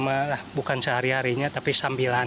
mah bukan sehari harinya tapi sambilan